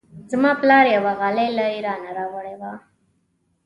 زما پلار یوه غالۍ له ایران راوړې وه.